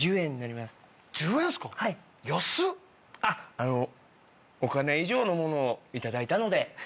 あっあのお金以上のものを頂いたので。